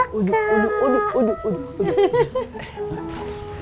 aduk aduk aduk